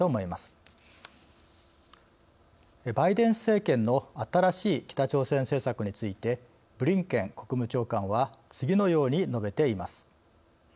バイデン政権の新しい北朝鮮政策についてブリンケン国務長官は次のように述べています。